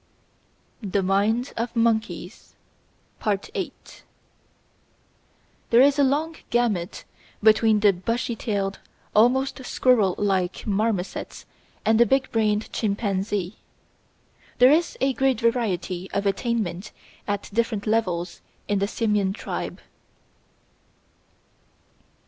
THE MIND OF MONKEYS § 8 There is a long gamut between the bushy tailed, almost squirrel like marmosets and the big brained chimpanzee. There is great variety of attainment at different levels in the Simian tribe.